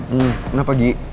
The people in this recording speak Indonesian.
hmm kenapa gi